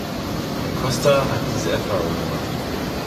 Herr Costa hat diese Erfahrung gemacht.